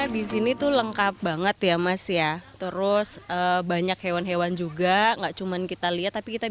disini tuh lengkap banget ya mas ya terus banyak hewan hewan juga enggak cuman kita lihat tapi kita